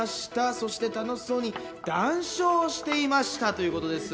そして楽しそうに談笑していましたということです。